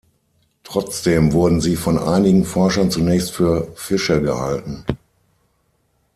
Trotzdem wurden sie von einigen Forschern zunächst für Fische gehalten.